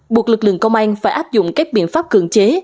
buộc lực lượng công an phải áp dụng các biện pháp cưỡng chế